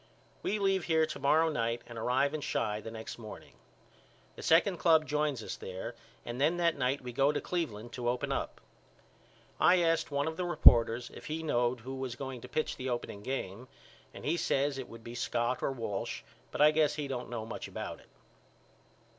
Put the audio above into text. We leave here to morrow night and arrive in Chi the next morning. The second club joins us there and then that night we go to Cleveland to open up. I asked one of the reporters if he knowed who was going to pitch the opening game and he says it would be Scott or Walsh but I guess he don't know much about it.